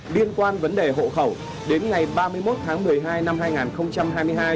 liên quan vấn đề hộ khẩu đến ngày ba mươi một tháng một mươi hai năm hai nghìn hai mươi hai